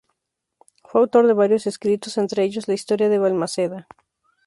Fue autor de varios escritos, entre ellos la "Historia de Valmaseda".